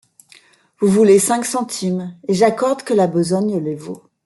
Vous voulez cinq centimes, et j’accorde que la besogne les vaut.